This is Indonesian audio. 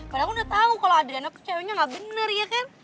padahal aku udah tahu kalau adriana tuh ceweknya nggak bener iya kan